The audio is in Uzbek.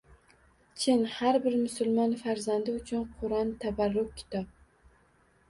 Chin, har bir musulmon farzandi uchun Qur’on tabarruk kitob.